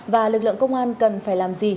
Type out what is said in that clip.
và lực lượng công an cần phải làm gì